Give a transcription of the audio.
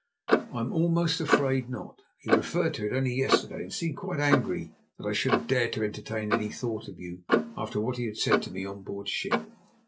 "I'm almost afraid not. He referred to it only yesterday, and seemed quite angry that I should have dared to entertain any thought of you after what he said to me on board ship.